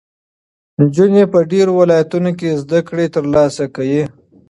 نجونې په ډېرو ولایتونو کې زده کړې ترلاسه کوي.